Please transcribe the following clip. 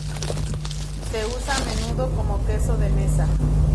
Se usa a menudo como queso de mesa.